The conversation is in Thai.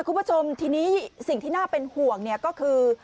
คุณผู้ชมทีนี้สิ่งที่น่าเป็นห่วงเนี่ยก็คือ